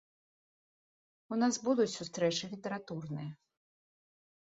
У нас будуць сустрэчы літаратурныя.